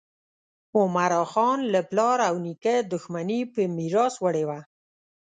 عمراخان له پلار او نیکه دښمني په میراث وړې وه.